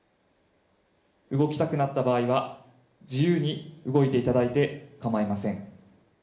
動きたくなった場合は自由に動いていただいてかまいません